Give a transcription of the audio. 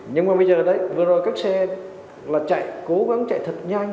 nhưng mà bây giờ đấy vừa rồi các xe là chạy cố gắng chạy thật nhanh